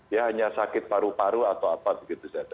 ya hanya sakit paru paru atau apa begitu saja